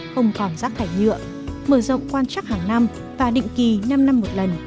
không còn rác thải nhựa mở rộng quan trắc hàng năm và định kỳ năm năm một lần